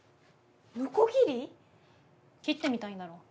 ノコギリ⁉切ってみたいんだろ。